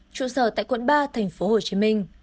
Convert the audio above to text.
trụ sở tại quận ba tp hcm